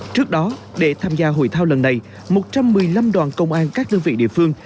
trước đó để tham gia hội thao lần này một trăm một mươi năm đoàn công an các đơn vị địa phương